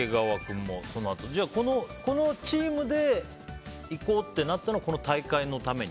じゃあ、このチームでいこうってなったのはこの大会のために？